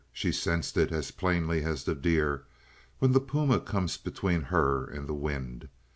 She sensed it as plainly as the deer when the puma comes between her and the wind.